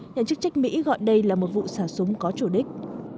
nhà chức trách mỹ gọi đây là một vụ xả súng có chủ đích